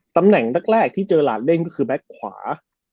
ตำแหน่งใดที่เจอราชเล่งคือแมกขวา